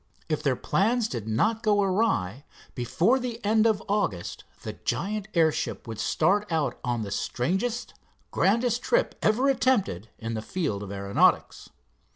If their plans did not go awry, before the end of August the giant airship would start out on the strangest, grandest trip ever attempted in the field of aeronautics.